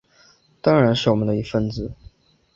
当然是我们的一分子